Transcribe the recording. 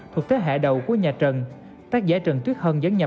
thuộc thế hệ đầu của nhà trần